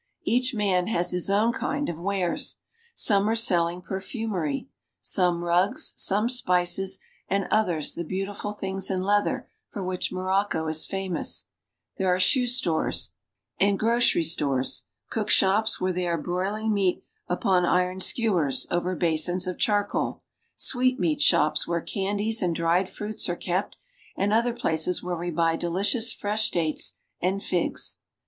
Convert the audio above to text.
Each man has his own kind ' wares. Some are sellir.g perfumery, some rugs, some ;, and others the beautiful things in leather for which 1 »cco is famous There are shoe stores and grocery 32 AFRICA Stores, cook shops where they are broiling meat upon iron skewers over basins of charcoal, sweetmeat shops where candies and dried fruits are kept, and other places where we buy delicious fresh dates and figs.